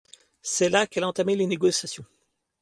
C’est là qu’elle a entamé les négociations.